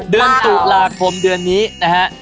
เดือนตุลาคมเดือนนี้นะฮะ